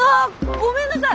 ごめんなさい！